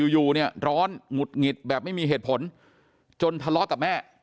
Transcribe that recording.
อยู่เนี่ยร้อนหงุดหงิดแบบไม่มีเหตุผลจนทะเลาะกับแม่